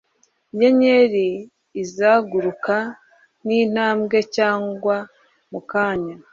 Inyenyeri izagaruka Nintambwe cyangwa mukanya